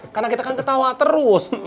karena kita kan ketawa terus